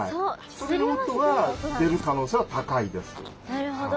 なるほど。